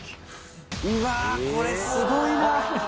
うわこれすごいな！